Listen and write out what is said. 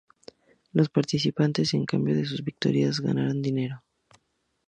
Los participantes a cambio de sus victorias, ganarán dinero.